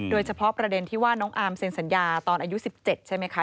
โดยเฉพาะประเด็นที่ว่าน้องอาร์มเซ็นสัญญาตอนอายุ๑๗ใช่ไหมคะ